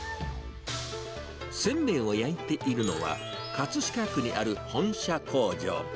せんべいを焼いているのは、葛飾区にある本社工場。